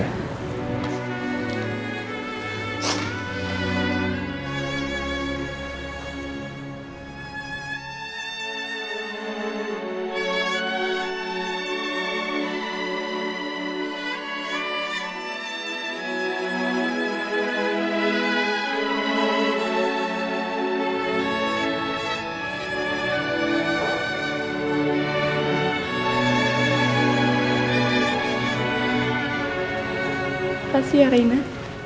makasih ya reina